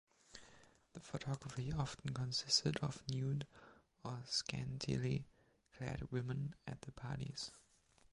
The photography often consisted of nude or scantily clad women at the parties.